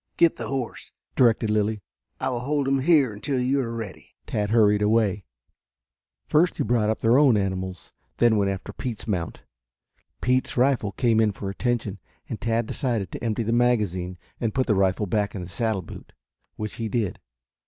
"Get the horse," directed Lilly. "I will hold him here until you are ready." Tad hurried away. First he brought up their own animals, then went after Pete's mount. Pete's rifle came in for attention, and Tad decided to empty the magazine and put the rifle back in the saddle boot, which he did.